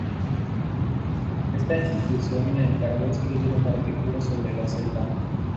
Esta institución le encargó escribir un artículo sobre la selva.